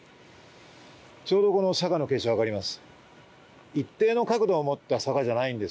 ちょうどこの坂の傾斜が分かります。